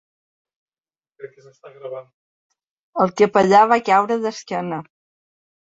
El capellà va caure d'esquena.